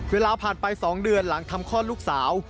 เวลาผ่านไป๒เดือนหลังทำคลอดลูกสาว